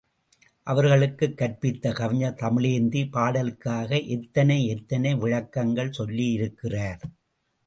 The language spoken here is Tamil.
அவளுக்குக் கற்பித்த கவிஞர் தமிழேந்தி, பாடலுக்காக எத்தனை எத்தனை விளக்கங்கள் சொல்லியிருக்கிறார்!...